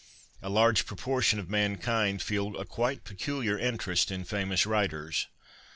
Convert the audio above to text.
A large proportion of mankind feel a quite peculiar interest in famous writers.